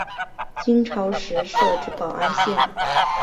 金朝时设置保安县。